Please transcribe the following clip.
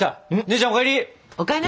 姉ちゃんお帰り！